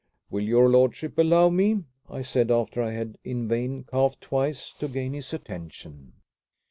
"Will your lordship allow me?" I said, after I had in vain coughed twice to gain his attention.